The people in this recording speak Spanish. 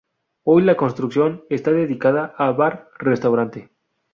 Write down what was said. Hoy la construcción está dedicada a Bar-Restaurante.